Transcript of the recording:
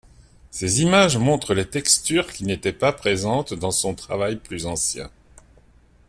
Ces images montrent les textures qui n'étaient pas présentes dans son travail plus ancien.